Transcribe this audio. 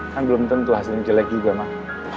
kan belum tentu hasilnya jelek juga mah